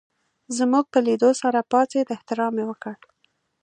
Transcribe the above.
زموږ په لېدو سره پاڅېد احترام یې وکړ.